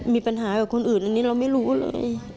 มีปัญหากับคนอื่นอันนี้เราไม่รู้เลย